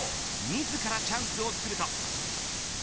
自らチャンスを作ると。